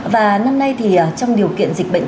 và năm nay thì trong điều kiện dịch bệnh